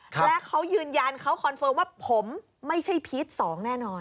และเขายืนยันเขาคอนเฟิร์มว่าผมไม่ใช่พีช๒แน่นอน